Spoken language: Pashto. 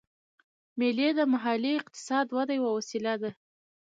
مېلې د محلي اقتصاد وده یوه وسیله ده.